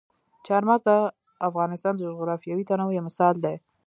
چار مغز د افغانستان د جغرافیوي تنوع یو مثال دی.